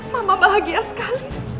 mama bahagia sekali